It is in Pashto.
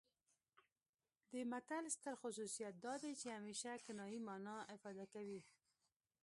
د متل ستر خصوصیت دا دی چې همیشه کنايي مانا افاده کوي